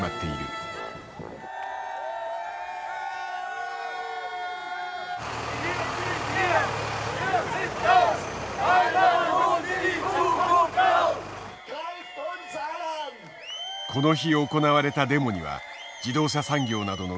この日行われたデモには自動車産業などの労働者１万人が集結。